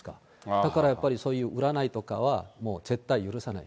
だからやっぱり、そういう占いとかはもう絶対許さない。